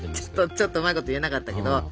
ちょっとうまいこと言えなかったけど